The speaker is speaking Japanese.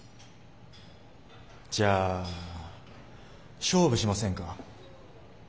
じゃあ勝負しませんか？